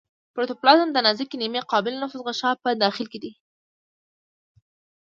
پروتوپلازم د نازکې نیمه قابل نفوذ غشا په داخل کې دی.